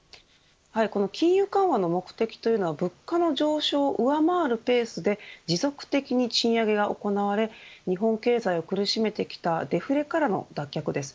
金融緩和の目的というのは物価の上昇を上回るペースで持続的に賃上げが行われ日本経済を苦しめてきたデフレからの脱却です。